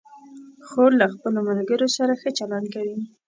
خور له خپلو ملګرو سره ښه چلند کوي.